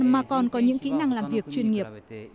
mà còn có những kỹ năng làm việc chuyên nghiệp